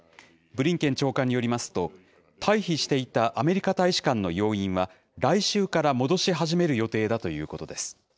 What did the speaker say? ブリンケン長官によりますと、退避していたアメリカ大使館の要員は、来週から戻し始める予定だということです。